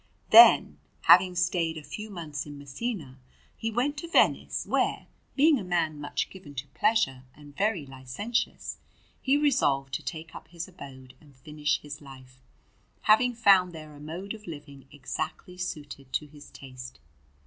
Then, having stayed a few months in Messina, he went to Venice, where, being a man much given to pleasure and very licentious, he resolved to take up his abode and finish his life, having found there a mode of living exactly suited to his taste.